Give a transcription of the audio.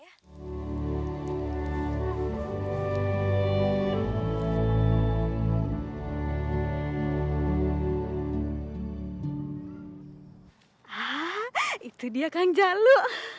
ah itu dia kang jalu